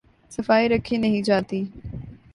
صفائی رکھی نہیں جاتی۔